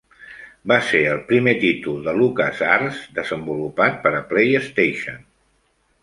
Va ser el primer títol de LucasArts desenvolupat per a PlayStation.